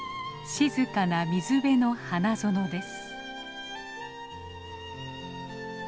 静かな水辺の花園です。